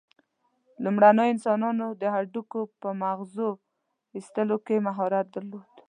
لومړنیو انسانانو د هډوکو په مغزو ایستلو کې مهارت درلود.